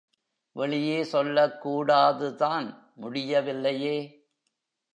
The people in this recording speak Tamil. வெளியே சொல்லக்கூடாதுதான் முடியவில்லையே!